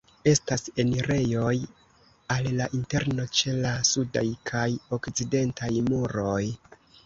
Estas enirejoj al la interno ĉe la sudaj kaj okcidentaj muroj.